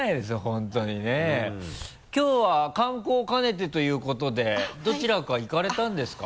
きょうは観光を兼ねてということでどちらか行かれたんですか？